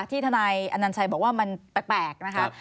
ที่ทนายอนันชัยบอกว่ามันแปลกนะครับ